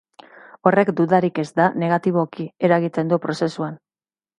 Horrek, dudarik ez da, negatiboki eragiten du prozesuan.